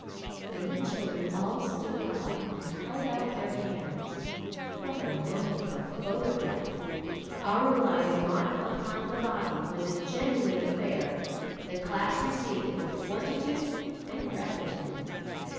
Then the children all stood up and held out their hands what a moment for a photograph! Arulai's "mark upon the body" was a genuine affair, but the class received it with fortitude and gratitude.